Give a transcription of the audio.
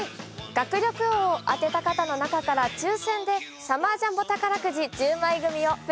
学力王を当てた方の中から抽選でサマージャンボ宝くじ１０枚組をプレゼント。